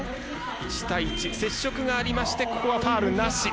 １対１、接触がありましてファウルなし。